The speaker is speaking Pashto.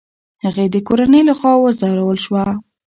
هغې د کورنۍ له خوا وځورول شوه.